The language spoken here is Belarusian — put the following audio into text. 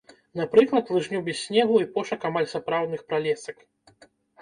Напрыклад, лыжню без снегу і пошук амаль сапраўдных пралесак.